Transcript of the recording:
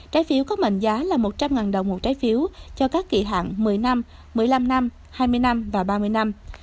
trái phiếu có mệnh giá là một trăm linh đồng một trái phiếu cho các kỳ hạn một mươi năm một mươi năm năm hai mươi năm và ba mươi năm